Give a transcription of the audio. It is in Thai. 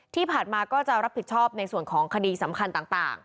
ที่ผ่านมาก็จะรับผิดชอบในส่วนของคดีสำคัญต่าง